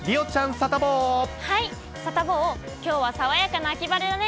サタボー、きょうは爽やかな秋晴れだね。